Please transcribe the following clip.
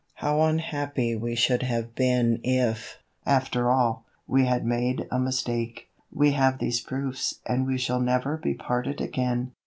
How unhappy we should have been if, after all, we had made a mistake. We have these proofs and we shall never be parted again.